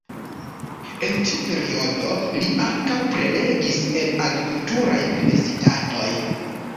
En tiu periodo li ankaŭ prelegis en agrikulturaj universitatoj.